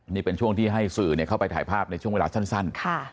นี่เป็นช่วงที่ให้สื่อเข้าไปถ่ายภาพในช่วงเวลาสั้น